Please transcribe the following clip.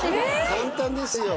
簡単ですよ。